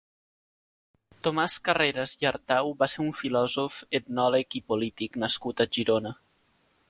Tomàs Carreras i Artau va ser un filòsof, etnòleg i polític nascut a Girona.